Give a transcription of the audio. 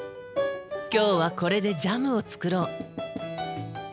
今日はこれでジャムを作ろう。